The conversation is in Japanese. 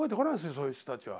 そういう人たちは。